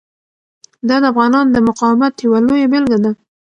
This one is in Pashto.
دا د افغانانو د مقاومت یوه لویه بیلګه ده.